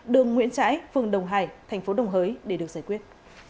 đường nguyễn trãi phường đồng hải thành phố đồng hới để được giải quyết